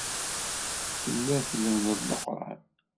Telliḍ tlemmdeḍ Leqran.